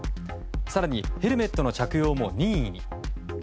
更にヘルメットの着用も任意に。